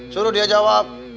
suruh dia jawab